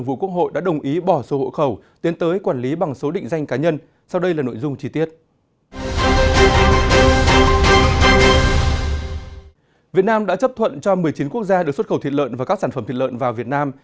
việt nam đã chấp thuận cho một mươi chín quốc gia được xuất khẩu thịt lợn và các sản phẩm thịt lợn vào việt nam